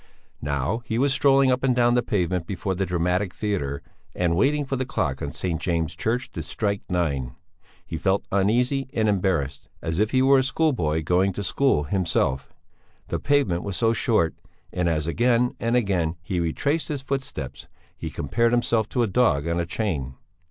Now he was strolling up and down the pavement before the Dramatic Theatre and waiting for the clock on St. James' Church to strike nine; he felt uneasy and embarrassed, as if he were a schoolboy going to school himself; the pavement was so short, and as again and again he retraced his footsteps he compared himself to a dog on a chain.